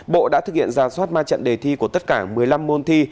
bộ đã thực hiện ra soát ma trận đề thi của tất cả một mươi năm môn thi